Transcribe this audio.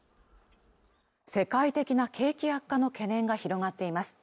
世界的な景気悪化の懸念が広がっています